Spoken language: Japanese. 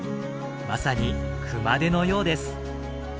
まさに「熊手」のようです。